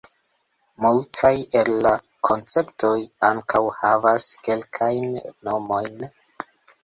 Multaj el la konceptoj ankaŭ havas kelkajn nomojn.